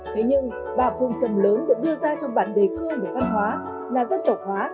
thế nhưng bà phương trầm lớn được đưa ra trong bản đề cương về văn hóa là dân tộc hóa